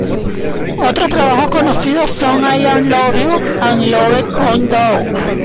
Otros trabajos conocidos son "I'm In Love" and "Love Come Down.